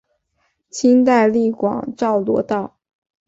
清代隶广肇罗道。